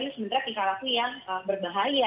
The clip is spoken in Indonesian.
ini sebenarnya tingkah laku yang berbahaya